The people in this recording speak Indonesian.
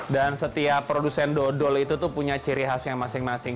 dan setiap produsen dodol itu punya ciri khasnya masing masing